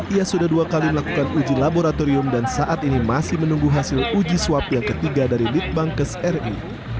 ia sudah dua kali melakukan uji laboratorium dan saat ini masih menunggu hasil uji swab yang ketiga dari litbangkes ri